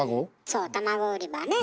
そう卵売り場ね。